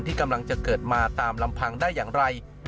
ที่กำลังจะเกิดมาตามลำพังได้อย่างไร